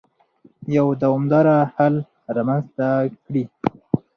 يو دوامدار حل رامنځته کړي.